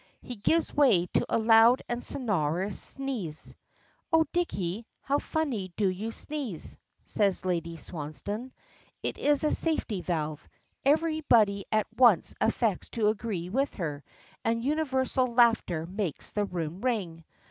He gives way to a loud and sonorous sneeze. "Oh, Dicky! How funny you do sneeze," says Lady Swansdown. It is a safety valve. Everybody at once affects to agree with her, and universal laughter makes the room ring.